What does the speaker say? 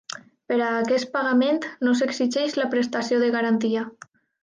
Per a aquest pagament no s'exigeix la prestació de garantia.